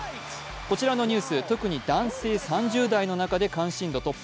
こちらのニュース、特に男性３０代の中で関心度トップ。